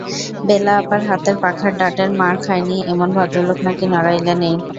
বেলা আপার হাতের পাখার ডাঁটের মার খায়নি এমন ভদ্রলোক নাকি নড়াইলে নেই।